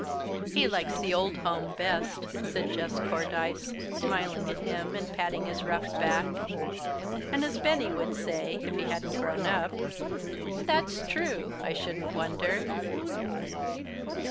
"He likes the old home best," said Jess Cordyce, smiling at him and patting his rough back. And as Benny would say, if he hadn't grown up, "That's true, I shouldn't wonder."